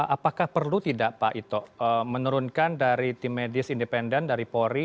apakah perlu tidak pak ito menurunkan dari tim medis independen dari polri